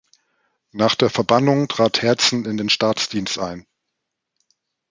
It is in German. Nach der Verbannung trat Herzen in den Staatsdienst ein.